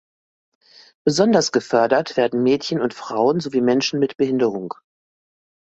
Besonders gefördert werden Mädchen und Frauen sowie Menschen mit Behinderung.